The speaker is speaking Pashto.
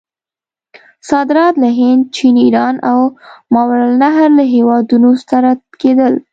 صادرات له هند، چین، ایران او ماورأ النهر له هیوادونو سره کېدل.